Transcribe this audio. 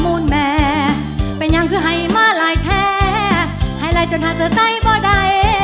จากหมุนแม่เป็นอย่างคือให้มาลายแทให้ลายจนหาเสียใส่พอได้